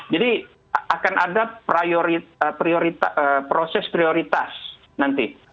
jadi akan ada proses prioritas nanti